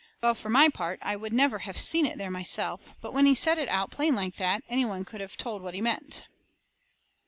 Well, for my part, I never would of seen it there myself, but when he said it out plain like that any one could of told what he meant.